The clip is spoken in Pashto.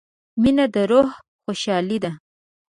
• مینه د روح خوشحالي ده.